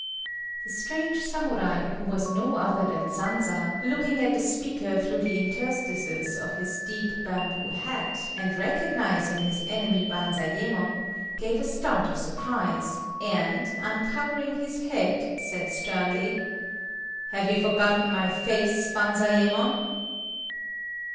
The strange Samurai, who was no other than Sanza, looking at the speaker through the interstices of his deep bamboo hat, and recognizing his enemy Banzayémon, gave a start of surprise, and, uncovering his head, said sternly "Have you forgotten my face, Banzayémon?"